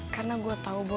karena gue tau boy